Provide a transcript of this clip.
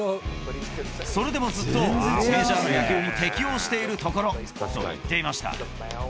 それでもずっと、メジャーの野球に適応しているところと言っていました。